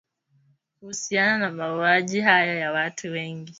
kuhusiana na mauaji hayo ya watu wengi